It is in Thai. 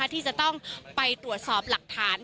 ที่จะต้องไปตรวจสอบหลักฐาน